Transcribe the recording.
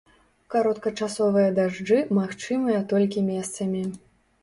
Кароткачасовыя дажджы магчымыя толькі месцамі.